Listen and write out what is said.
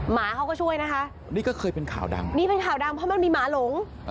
หมาเขาก็ช่วยนะคะนี่ก็เคยเป็นข่าวดังนี่เป็นข่าวดังเพราะมันมีหมาหลง